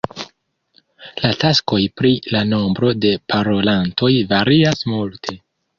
La taksoj pri la nombro de parolantoj varias multe.